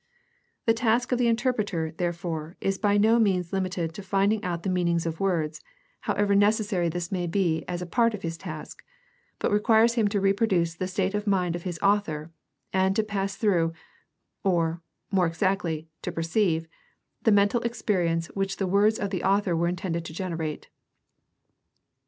The task of the interpreter, therefore, is by no means limited to finding out the meanings of words, however neces THE STUDY OF THE NEW TESTAMENT 217 sary this may be as a part of his task, but requires him to reproduce the state of mind of his author and to pass through — or, more exactly, to perceive — the mental experience which the words of the author were intended to generate.